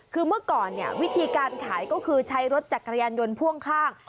คือเมื่อก่อนเนี่ยวิธีการขายก็คือใช้รถจักรยานยนต์พ่วงข้าง